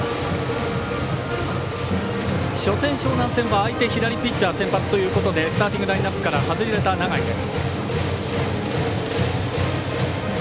初戦・樟南戦は相手ピッチャー先発ということでスターティングラインナップから外れた永井です。